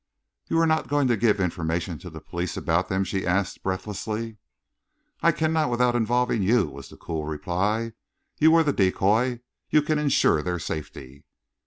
"You are not going to give information to the police about them?" she asked breathlessly. "I cannot without involving you," was the cool reply. "You were the decoy. You can insure their safety."